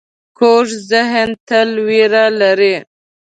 کوږ ذهن تل وېره لري